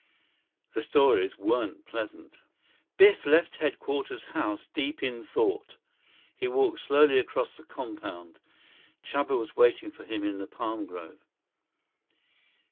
The stories weren't pleasant. Biff left Headquarters House deep in thought. He walked slowly across the compound. Chuba was waiting for him in the palm grove.